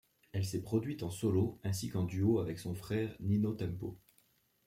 Elle s'est produite en solo, ainsi qu'en duo avec son frère Nino Tempo.